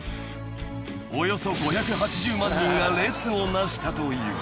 ［およそ５８０万人が列を成したという］